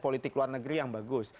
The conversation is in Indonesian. politik luar negeri yang bagus